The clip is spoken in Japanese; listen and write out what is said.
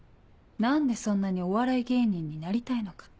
何でそんなにお笑い芸人になりたいのか。